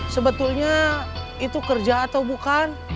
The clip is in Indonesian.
sebetulnya itu kerja atau bukan